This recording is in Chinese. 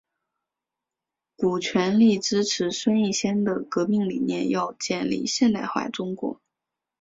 古全力支持孙逸仙的革命理念要建立现代化中国。